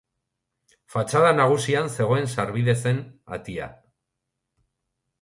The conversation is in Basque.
Fatxada nagusian zegoen sarbide zen atea.